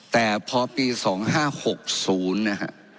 แต่พอปี๒๕๖๐นะฮะ